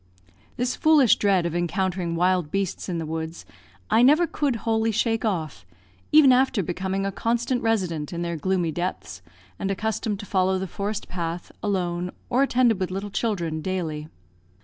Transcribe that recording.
This foolish dread of encountering wild beasts in the woods, I never could wholly shake off, even after becoming a constant resident in their gloomy depths, and accustomed to follow the forest path, alone, or attended with little children, daily.